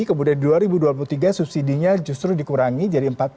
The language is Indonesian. kemudian dua ribu dua puluh tiga subsidinya justru dikurangi jadi empat puluh